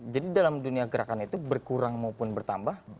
jadi dalam dunia gerakan itu berkurang maupun bertambah